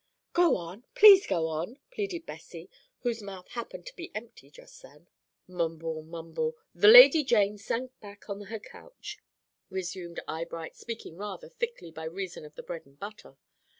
"Go on please go on," pleaded Bessie, whose mouth happened to be empty just then. Mumble, mumble, "the Lady Jane sank back on her couch" resumed Eyebright, speaking rather thickly by reason of the bread and butter.